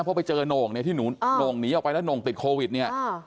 เพราะไปเจอโหน่งเนี่ยที่หนูโหน่งหนีออกไปแล้วโหน่งติดโควิดเนี่ย